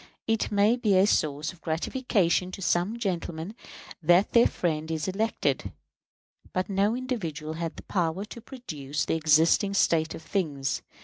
It may be a source of gratification to some gentlemen that their friend is elected; but no individual had the power to produce the existing state of things.